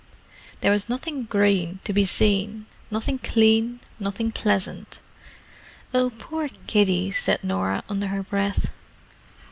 There was nothing green to be seen, nothing clean, nothing pleasant. "Oh, poor kiddies!" said Norah, under her breath.